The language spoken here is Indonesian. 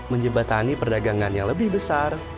menjebatani perdagangan yang lebih besar